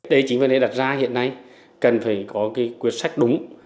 đây chính là nơi đặt ra hiện nay cần phải có quyết sách đúng